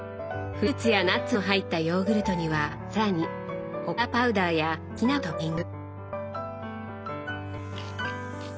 フルーツやナッツの入ったヨーグルトには更におからパウダーやきな粉をトッピング。